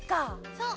そう。